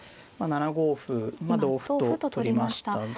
７五歩同歩と取りましたが。